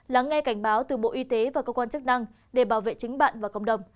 lắng nghe cảnh báo từ bộ y tế và cơ quan chức năng để bảo vệ chính bạn và cộng đồng